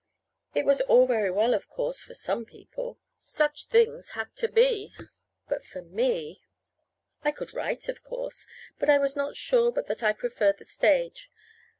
It was all very well, of course, for some people. Such things had to be. But for me I could write, of course; but I was not sure but that I preferred the stage.